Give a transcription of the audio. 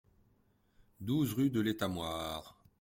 douze rue de l'Etamoire